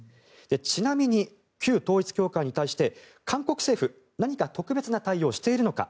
ちなみに旧統一教会に対して韓国政府何か特別な対応しているのか。